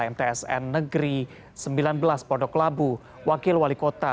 mtsn negeri sembilan belas pondok labu wakil wali kota